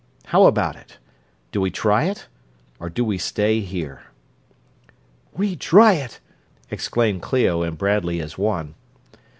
How about it? Do we try it or do we stay here?" "We try it!" exclaimed Clio and Bradley as one.